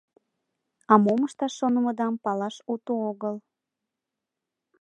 А мом ышташ шонымыдам палаш уто огыл.